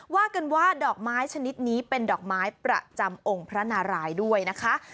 ว่ากันว่าดอกไม้ชนิดนี้เป็นดอกไม้ประจำองค์พระนารายด้วยนะคะ